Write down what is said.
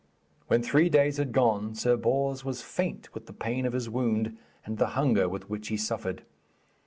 When three days had gone, Sir Bors was faint with the pain of his wound and the hunger with which he suffered.